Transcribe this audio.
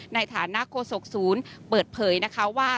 ในฐานะโฆษกศูนย์เปิดเผยนะคะว่า